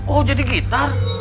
oh jadi gitar